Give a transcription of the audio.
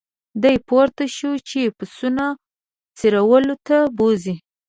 دی پورته شو چې پسونه څرولو ته بوزي.